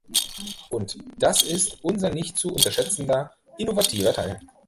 Und das ist unser nicht zu unterschätzender innovativer Teil.